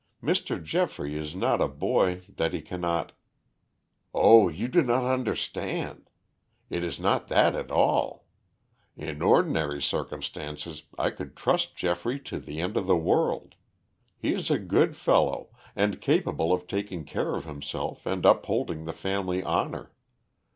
"Mr. Geoffrey is not a boy that he cannot " "Oh, you do not understand! It is not that at all. In ordinary circumstances I could trust Geoffrey to the end of the world. He is a good fellow, and capable of taking care of himself and upholding the family honor.